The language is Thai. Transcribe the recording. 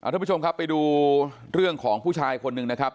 ทุกผู้ชมครับไปดูเรื่องของผู้ชายคนหนึ่งนะครับ